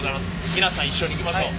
皆さん一緒にいきましょう。